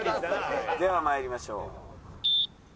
では参りましょう。